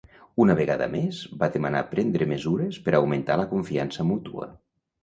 Una vegada més, va demanar prendre mesures per augmentar la confiança mútua.